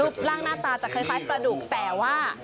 ร่างหน้าตาจะคล้ายปลาดุกแต่ว่า